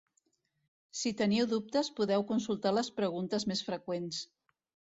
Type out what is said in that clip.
Si teniu dubtes podeu consultar les preguntes més freqüents.